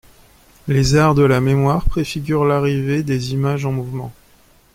Les Arts de la mémoire préfigurent l’arrivée des images en mouvement.